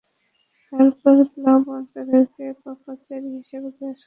তারপর প্লাবন তাদেরকে পাপাচারী হিসাবে গ্রাস করে।